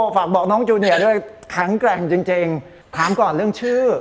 ฝากบอกน้องจูเนียด้วยแข็งแกร่งจริงถามก่อนเรื่องชื่อ